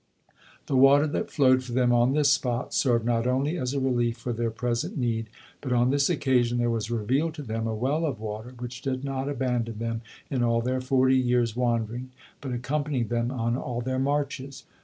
The water that flowed for them on this spot served not only as a relief for their present need, but on this occasion there was revealed to them a well of water, which did not abandon them in all their forty years' wandering, but accompanied them on all their marches.